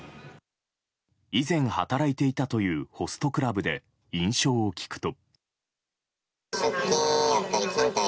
以前働いていたというホストクラブで印象を聞くと。